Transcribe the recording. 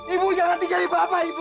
ibu jangan tikai bapak ibu